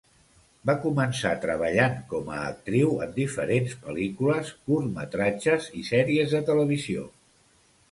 Va començar treballant com a actriu en diferents pel·lícules, curtmetratges i sèries de televisió.